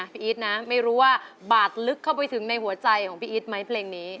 อีทนะไม่รู้ว่าบาดลึกเข้าไปถึงในหัวใจของพี่อีทไหมเพลงนี้